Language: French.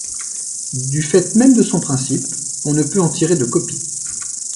Du fait même de son principe, on ne peut en tirer de copies.